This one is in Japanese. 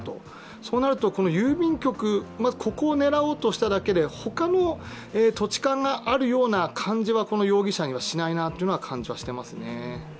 そうなると郵便局、まずここを狙おうとしただけで他の土地勘があるような感じはこの容疑者にはしないなという感じはしていますね。